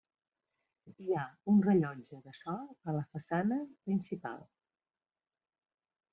Hi ha un rellotge de sol a la façana principal.